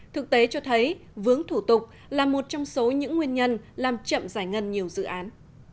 thực tế cho thấy vướng thủ tục là một trong số những nguyên nhân làm chậm giải ngân nhiều dự án